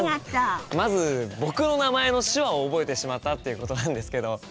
まず僕の名前の手話を覚えてしまったということなんですけどいや